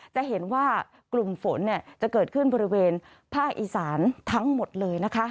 จะเห็นว่ากลุ่มฝนจะเกิดขึ้นบริเวณภาคอีสานทั้งหมดเลยนะคะ